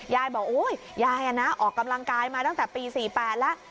ยายบอกโอ๊ยยายออกกำลังกายมาตั้งแต่ปี๔๘แล้ว